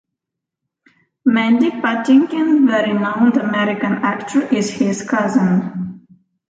Mandy Patinkin, the renowned American actor, is his cousin.